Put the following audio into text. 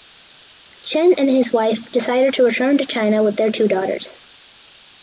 Chen and his wife decided to return to China with their two daughters.